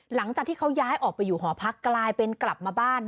หลังจากที่เขาย้ายออกไปอยู่หอพักกลายเป็นกลับมาบ้าน